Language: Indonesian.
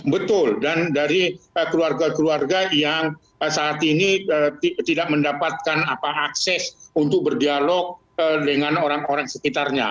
betul dan dari keluarga keluarga yang saat ini tidak mendapatkan akses untuk berdialog dengan orang orang sekitarnya